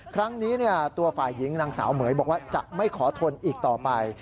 ครั้งนี้ตัวฝ่ายหญิงนางสาวเหม๋ยบอกว่าจะไม่ขอทนอีกต่อไป